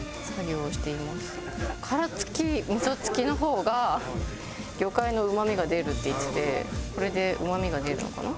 殻付きみそ付きの方が魚介のうまみが出るって言っててこれでうまみが出るのかな？